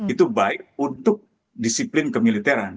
itu baik untuk disiplin kemiliteran